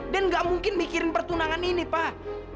dan ga mungkin mikirin pertunangan ini pak